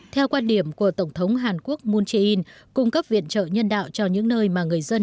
theo quan điểm của tổng thống hàn quốc moon jae in cung cấp viện trợ nhân đạo cho những nơi mà người dân